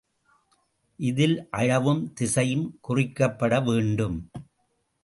இதில் அளவும் திசையும் குறிக்கப்பட வேண்டும்.